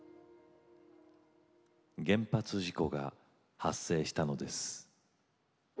原発事故が発生したのです。